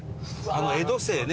江戸清ね。